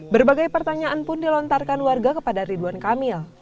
berbagai pertanyaan pun dilontarkan warga kepada ridwan kamil